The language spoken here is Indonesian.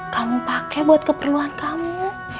kamu pakai buat keperluan kamu